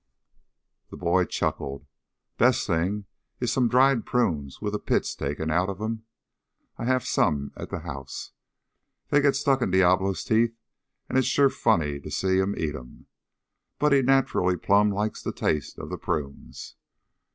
The boy chuckled. "Best thing is some dried prunes with the pits taken out of 'em. I have some at the house. They get stuck in Diablo's teeth and it's sure funny to see him eat 'em. But he just nacherally plumb likes the taste of the prunes."